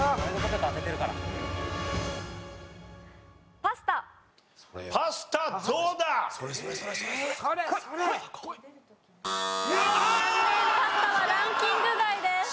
パスタはランキング外です。